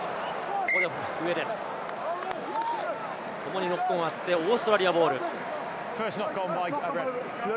ここでノックオンがあってオーストラリアボール。